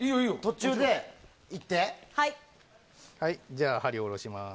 じゃあ針下ろします。